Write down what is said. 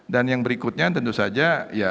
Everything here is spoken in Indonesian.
dan yang berikutnya tentu saja